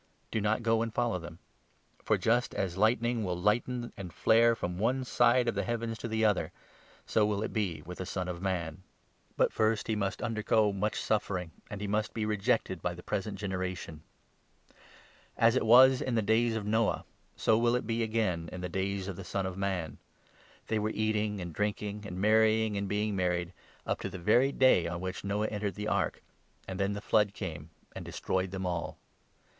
Do not go and follow them. For, just 24 as lightning will lighten and flare from one side of the heavens to the other, so will it be with the Son of Man. But 25 first he must undergo much suffering, and he must be rejected by the present generation. As it was in the days 26 of Noah, so will it be again in the days of the Son of Man. They were eating and drinking and marrying and being 27 married, up to the very day on which Noah entered the ark, and then the flood came and destroyed them all.